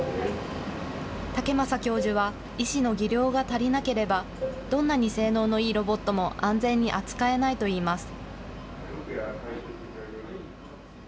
竹政教授は、医師の技量が足りなければ、どんなに性能のいいロボットも安全に扱えないといいます。